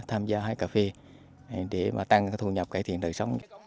tham gia hái cà phê để mà tăng thu nhập cải thiện đời sống